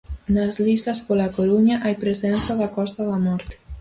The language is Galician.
Nas listas pola Coruña hai presenza da Costa da Morte.